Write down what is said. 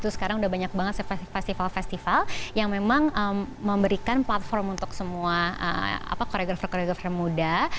sekarang udah banyak banget festival festival yang memang memberikan platform untuk semua koreografer koreografer muda